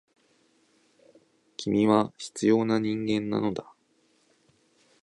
君は必要な人間なのだ。